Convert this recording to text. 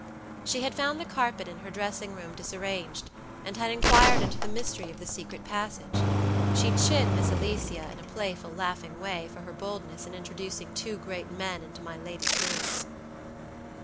She had found the carpet in her dressing room disarranged, and had inquired into the mystery of the secret passage. She chid Miss Alicia in a playful, laughing way, for her boldness in introducing two great men into my lady's rooms.